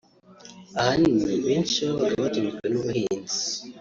ahanini benshi babaga batunzwe n’ubuhinzi